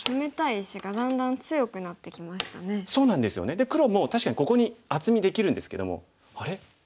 で黒も確かにここに厚みできるんですけども「あれ？